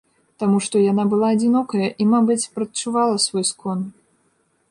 Таму што яна была адзінокая і, мабыць, прадчувала свой скон.